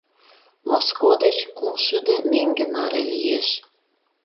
— Моско деч кумшӱдӧ меҥге наре лиеш.